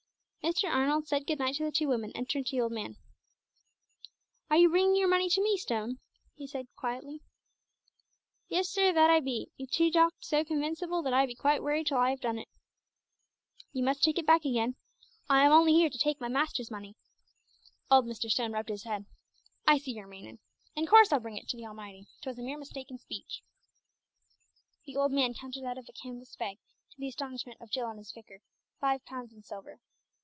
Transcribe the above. Mr. Arnold said good night to the two women, and turned to the old man. "Are you bringing your money to me, Stone?" he asked quietly. "Yes, sir, that I be 'ee do talk so convinceable that I be quite worried till I have done it." "You must take it back again. I am only here to take my Master's money." Old Mr. Stone rubbed his head. "I see yer meanin'. In course I bring it to the A'mighty. 'Twas a mere mistake in speech." The old man counted out of a canvas bag, to the astonishment of Jill and his vicar, five pounds in silver.